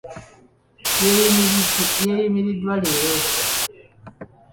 Yeeyimiriddwa leero.